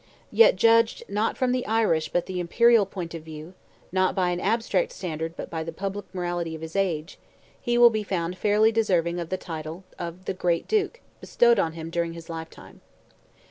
Yet judged, not from the Irish but the Imperial point of view, not by an abstract standard but by the public morality of his age, he will be found fairly deserving of the title of "the great Duke" bestowed on him during his lifetime.